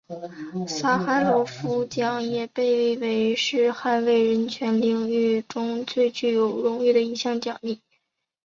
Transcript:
萨哈罗夫奖也被认为是捍卫人权领域中最具有荣誉的一项奖励。